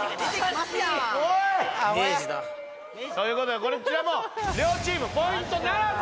ということでこちらも両チームポイントならず！